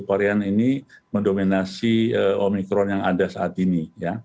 varian ini mendominasi omikron yang ada saat ini